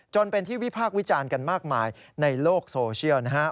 จนเป็นที่วิพากษ์วิจารณ์กันมากมายในโลกโซเชียลนะฮะ